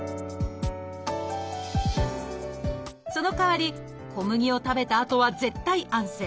そのかわり小麦を食べたあとは絶対安静。